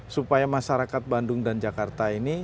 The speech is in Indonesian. supaya masyarakat bandung dan jakarta ini